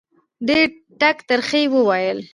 ډېر ټک ترخه یې وویل